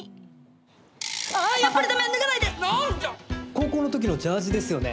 高校の時のジャージですよね。